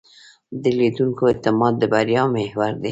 د لیدونکو اعتماد د بریا محور دی.